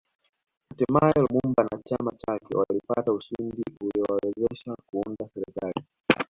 Hatimae Lumumba na chama chake walipata ushindi uliowawezesha Kuunda serikali